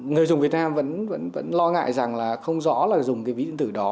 người dùng việt nam vẫn lo ngại rằng là không rõ là dùng cái ví điện tử đó